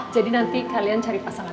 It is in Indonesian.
jadi nanti kalian cari pasangan